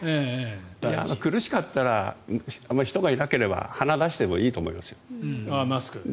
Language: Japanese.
苦しかったらあまり人がいなかったら鼻を出してもいいと思いますよ。